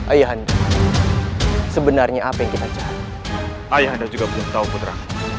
ayah anda sebenarnya apa yang kita cari ayah anda juga belum tahu putra